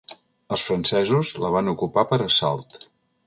Els francesos la van ocupar per assalt.